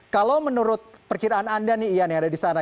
kalau menurut perkiraan anda nih ian yang ada di sana